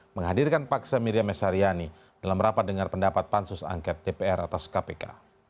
menghadirkan paksa miriam s haryani dalam rapat dengar pendapat pansus angket dpr atas kpk